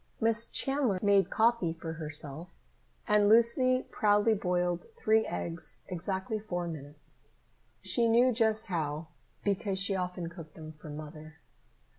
Miss Chandler made coffee for herself, and Lucy proudly boiled three eggs exactly four minutes. She knew just how, because she often cooked them for Mother.